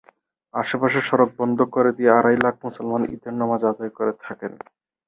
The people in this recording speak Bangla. আশপাশের সড়ক বন্ধ করে দিয়ে আড়াই লাখ মুসলমান ঈদের নামাজ আদায় করে থাকেন।